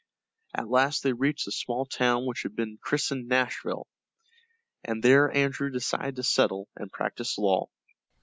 At last they reached the small town which had been christened Nashville, and there Andrew decided to settle and practice law.